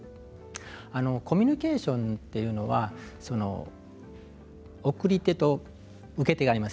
コミュニケーションというのは送り手と受け手があります